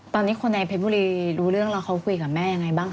ตอนนี้คนในเพชรบุรีรู้เรื่องแล้วเขาคุยกับแม่ยังไงบ้าง